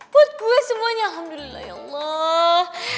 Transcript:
buat gue semuanya alhamdulillah ya allah